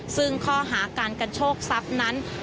ซึ่งข้อหาการกระโชคทรัพย์นั้น